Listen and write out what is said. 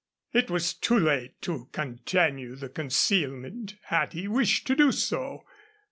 It was too late to continue the concealment, had he wished to do so.